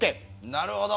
なるほど。